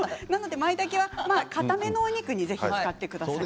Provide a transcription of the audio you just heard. まいたけはかためのお肉に使ってください。